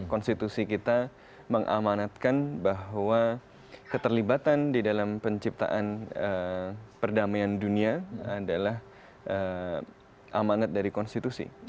konstitusi kita mengamanatkan bahwa keterlibatan di dalam penciptaan perdamaian dunia adalah amanat dari konstitusi